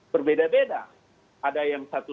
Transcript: berbeda beda ada yang satu